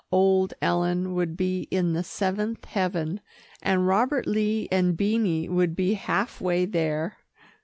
Old Ellen would be in the seventh heaven, and Robert Lee and Beanie would be half way there.